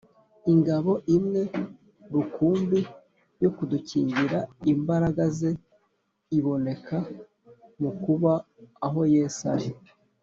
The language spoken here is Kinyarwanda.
ingabo imwe rukumbi yo kudukingira imbaraga ze iboneka mu kuba aho yesu ari